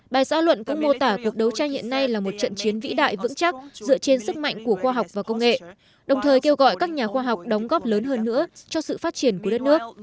bài xã luận cũng mô tả cuộc đấu tranh hiện nay là một trận chiến vĩ đại vững chắc dựa trên sức mạnh của khoa học và công nghệ đồng thời kêu gọi các nhà khoa học đóng góp lớn hơn nữa cho sự phát triển của đất nước